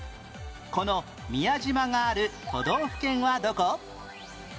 この宮島がある都道府県はどこ？